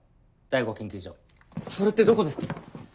第五研究所それってどこですか？